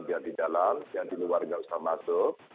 biar di dalam yang di luar nggak usah masuk